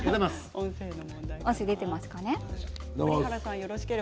音声出ていますか。